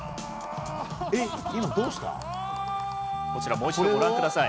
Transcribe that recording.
もう一度、ご覧ください。